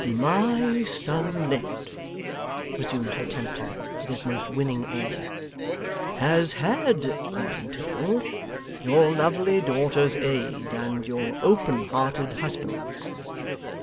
'My son Ned,' resumed her tempter with his most winning air, 'has had, I am told, your lovely daughter's aid, and your open hearted husband's.